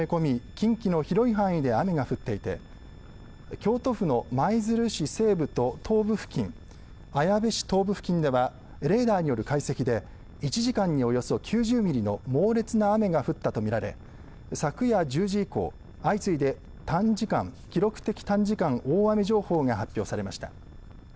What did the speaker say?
近畿の広い範囲で雨が降っていて京都府の舞鶴市西部と東部付近綾部市東部付近ではレーダーによる解析で１時間におよそ９０ミリの猛烈な雨が降ったと見られ昨夜１０時以降、相次いで記録的短時間大雨情報が発表されました。